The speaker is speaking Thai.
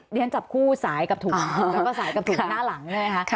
เรียนจับคู่สายกับถุงแล้วก็สายกับถุงหน้าหลังใช่ไหมคะ